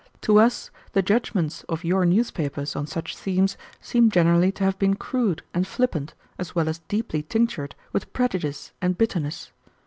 To us, the judgments of your newspapers on such themes seem generally to have been crude and flippant, as well as deeply tinctured with prejudice and bitterness.